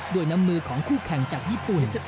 ด้วยน้ำมือของคู่แข่งจากญี่ปุ่น๑๑